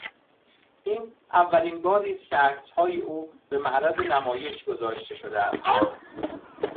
این اولینباری است که عکسهای او به معرض نمایش گذاشته شده است.